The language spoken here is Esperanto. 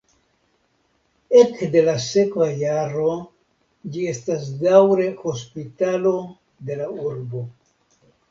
Ekde la sekva jaro ĝi estas daŭre hospitalo de la urbo.